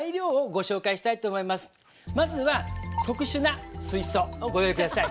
まずは特殊な水槽をご用意下さい。